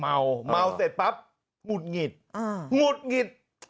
เมาเมาเสร็จปั๊บหงุดหงิดหงุดหงิด